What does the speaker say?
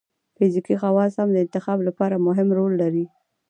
فزیکي خواص هم د انتخاب لپاره مهم رول لري.